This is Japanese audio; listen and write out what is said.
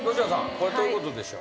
これどういうことでしょう？